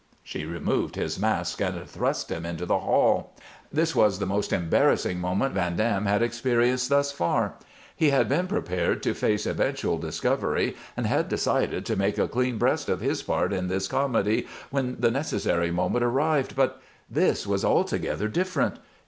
She removed his mask and thrust him into the hall. This was the most embarrassing moment Van Dam had experienced thus far. He had been prepared to face eventual discovery, and had decided to make a clean breast of his part in this comedy when the necessary moment arrived, but this was altogether different.